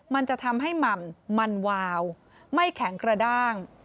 มันจะทำให้หม่ำมันวาวไม่แข็งกระด้าง